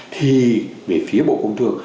thì về phía bộ công thương